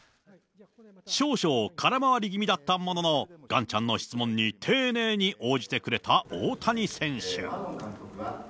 少々空回り気味だったもの、ガンちゃんの質問に丁寧に応じてくれた大谷選手。